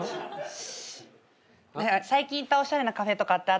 最近行ったおしゃれなカフェとかってあったりする？